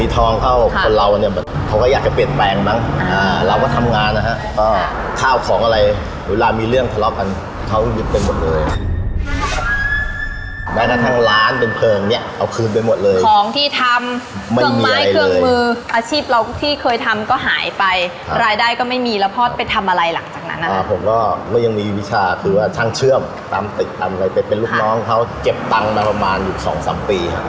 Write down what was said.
เติบทำอะไรกันเป็นลูกน้องเค้าเจ็บตังค์มาประมาณอยู่๒๓ปี